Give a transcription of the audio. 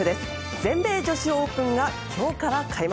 全米女子オープンが今日から開幕。